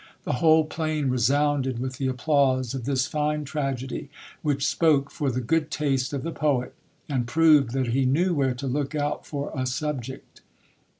The whole plain resounded with the applause of this fine tragedy ; which spoke for the good taste of the poet, and proved that he knew where to look out for a subject.